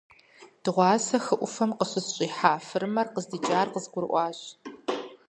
Дыгъуасэ хы Ӏуфэм къыщысщӀихьа фырымэр къыздикӀар къызгурыӀуащ.